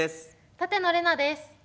舘野伶奈です。